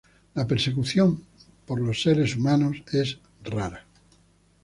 La persecución por los seres humanos es rara.